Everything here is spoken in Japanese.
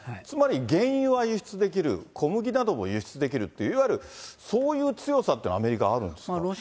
つまり原油は輸出できる、小麦なども輸出できるっていう、いわゆる、そういう強さって、アメリカはあるんですか。